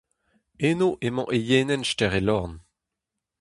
Eno emañ eienenn stêr Elorn.